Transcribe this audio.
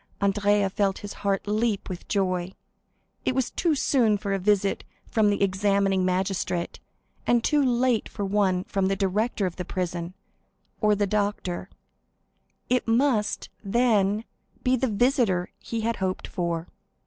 Andrea felt his heart leap with joy. It was too soon for a visit from the examining magistrate, and too late for one from the director of the prison, or the doctor; it must, then, be the visitor he hoped for.